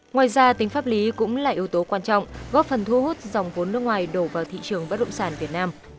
ngoài ra tính pháp lý cũng là yếu tố quan trọng góp phần thu hút dòng vốn nước ngoài đổ vào thị trường bất động sản việt nam